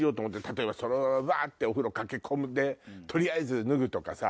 例えばわってお風呂駆け込んで取りあえず脱ぐとか。